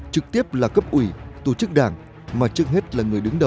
trực tiếp là cấp ủy tổ chức đảng mà trước hết là người đứng đầu